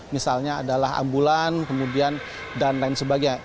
misalnya adalah ambulan kemudian dan lain sebagainya